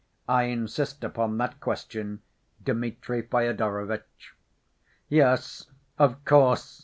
I insist upon that question, Dmitri Fyodorovitch." "Yes, of course!"